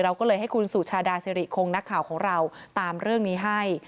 ก็เลยให้คุณสุชาดาสิริคงนักข่าวของเราตามเรื่องนี้ให้